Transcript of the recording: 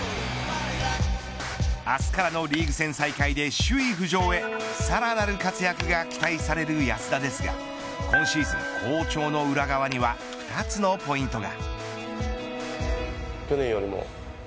明日からのリーグ戦再開で首位浮上へさらなる活躍が期待される安田ですが今シーズン好調の裏側には２つのポイントが。